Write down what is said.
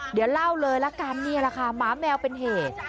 เดี๋ยวเล่าเลยละกันม้าแมวเป็นเหตุ